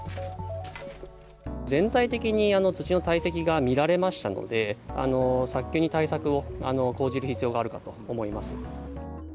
全体的に土の堆積が見られましたので、早急に対策を講じる必要があるかと思います。